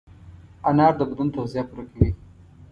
انار د بدن تغذیه پوره کوي.